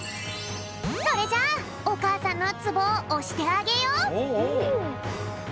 それじゃあおかあさんのツボをおしてあげよう！